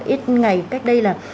ít ngày cách đây là